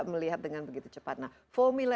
melihat dengan begitu cepat nah formula